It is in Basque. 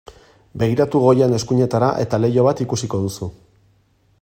Begiratu goian eskuinetara eta leiho bat ikusiko duzu.